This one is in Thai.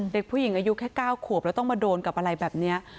เด็กผู้หญิงอายุแค่๙ขวบแล้วต้องมาโดนกับอะไรแบบนี้